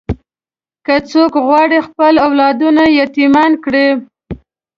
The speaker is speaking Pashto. که څوک غواړي خپل اولادونه یتیمان کړي.